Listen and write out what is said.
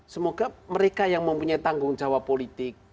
semoga mereka yang mempunyai tanggung jawab politik